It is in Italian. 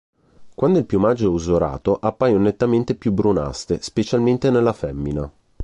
Quando il piumaggio è usurato, appaiono nettamente più brunastre, specialmente nella femmina.